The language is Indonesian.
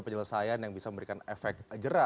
penyelesaian yang bisa memberikan efek jerah